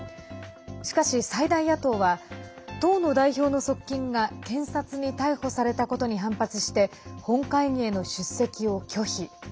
しかし、最大野党は党の代表の側近が検察に逮捕されたことに反発して本会議への出席を拒否。